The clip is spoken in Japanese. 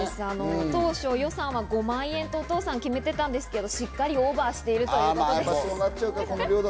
当初、予算は５万円と決めていたんですけれども、しっかりオーバーしているそうです。